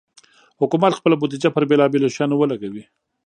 حکومت خپل بودیجه پر بېلابېلو شیانو ولګوي.